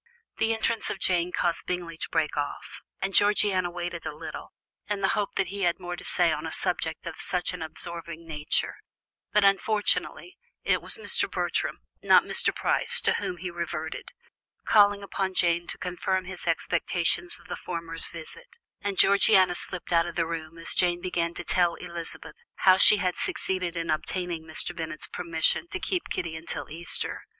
The entrance of Jane caused Bingley to break off, and Georgiana waited a little, in the hope that he had more to say on a subject of such an absorbing nature; but, unfortunately, it was Mr. Bertram, not Mr. Price, to whom he reverted, calling upon Jane to confirm his expectations of the former's visit, and Georgiana slipped out of the room as Jane began to tell Elizabeth how she had succeeded in obtaining Mr. Bennet's permission to keep Kitty until Easter.